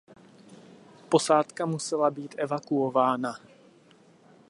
Posádka musela být evakuována.